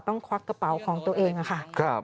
ควักกระเป๋าของตัวเองค่ะ